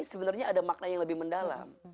sebenarnya ada makna yang lebih mendalam